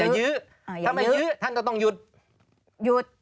อย่ายื้อถ้าไม่ยื้อท่านจะต้องหยุด